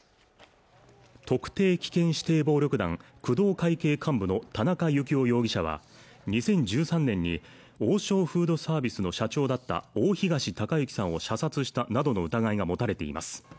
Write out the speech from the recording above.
特定危険指定暴力団・工藤会系幹部の田中幸雄容疑者は２０１３年に王将フードサービスの社長だった大東隆行さんを射殺したなどの疑いが持たれています